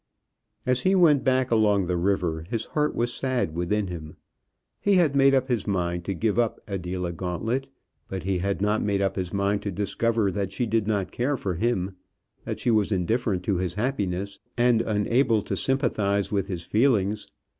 As he went back along the river his heart was sad within him. He had made up his mind to give up Adela Gauntlet, but he had not made up his mind to discover that she did not care for him that she was indifferent to his happiness, and unable to sympathize with his feelings.